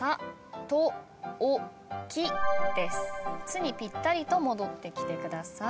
「つ」にぴったりと戻ってきてください。